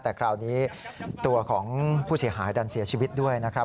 แต่คราวนี้ตัวของผู้เสียหายดันเสียชีวิตด้วยนะครับ